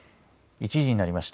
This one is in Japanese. １時になりました。